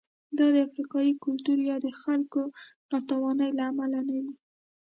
دا د افریقايي کلتور یا د خلکو ناتوانۍ له امله نه وې.